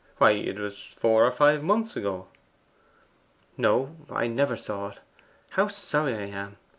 Why, it was four or five months ago!' 'No, I never saw it. How sorry I am!